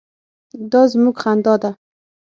_دا زموږ خندا ده.